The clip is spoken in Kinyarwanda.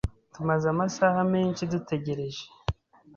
Tumaze amasaha menshi dutegereje.